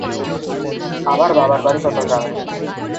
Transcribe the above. আমার বাবার বাড়ি চট্টগ্রামে।